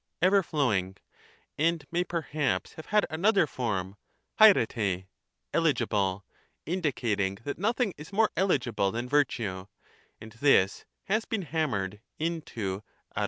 (ever flowing), and may perhaps have had another form, alperi} (eligible), indicating that nothing is more eligible than virtue, and this has been hammered into dperrj.